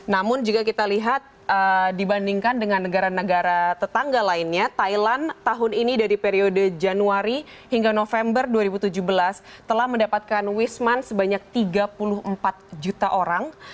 namun jika kita lihat dibandingkan dengan negara negara tetangga lainnya thailand tahun ini dari periode januari hingga november dua ribu tujuh belas telah mendapatkan wisman sebanyak tiga puluh empat juta orang